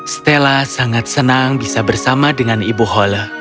stella sangat senang bisa bersama dengan ibu hole